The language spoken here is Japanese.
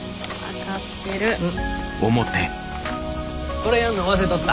これやるの忘れとった。